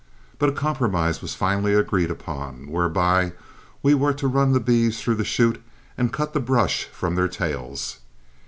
But a compromise was finally agreed upon, whereby we were to run the beeves through the chute and cut the brush from their tails.